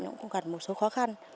nó cũng gặp một số khó khăn